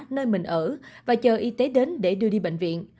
nơi mình ở và chờ y tế đến để đưa đi bệnh viện